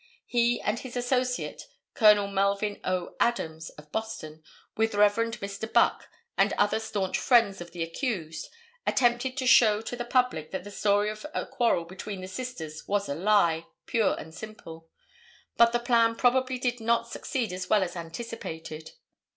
He and his associate, Col. Melvin O. Adams, of Boston, with Rev. Mr. Buck and other staunch friends of the accused, attempted to show to the public that the story of a quarrel between the sisters was a lie, pure and simple. But the plan probably did not succeed as well as anticipated.